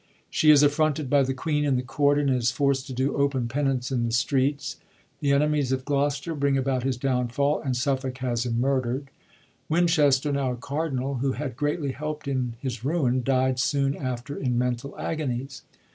She is af&onted by the queen in the Court, and is forced to do open penance in the streets. The enemies of Gloster bring about his downfall, and Suffolk has him murderd. Winchester, now a cardinal, who had greatly helpt in his ruin, died soon after in mental agonies.